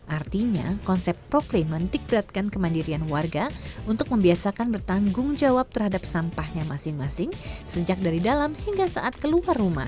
artinya konsep proklaim mentik beratkan kemandirian warga untuk membiasakan bertanggung jawab terhadap sampahnya masing masing sejak dari dalam hingga saat keluar rumah